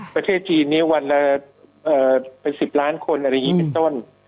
ประเทศจีนนี้วันละเป็น๑๐ล้านคนอะไรอย่างนี้เป็นต้น